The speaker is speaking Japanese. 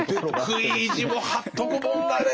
食い意地も張っとくもんだね！